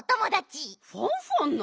フォンフォンの？